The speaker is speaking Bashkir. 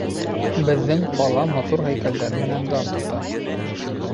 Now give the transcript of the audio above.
Беҙҙең ҡала матур һәйкәлдәр менән дан тота